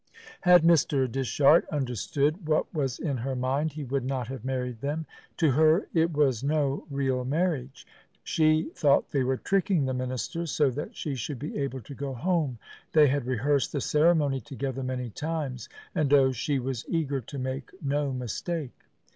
Had Mr. Dishart understood what was in her mind he would not have married them. To her it was no real marriage; she thought they were tricking the minister, so that she should be able to go home. They had rehearsed the ceremony together many times, and oh, she was eager to make no mistake.